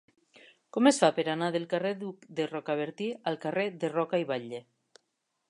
Com es fa per anar del carrer d'Hug de Rocabertí al carrer de Roca i Batlle?